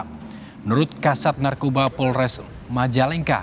menurut kasat narkoba polres majalengka